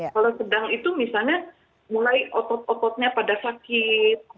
kalau sedang itu misalnya mulai otot ototnya pada sakit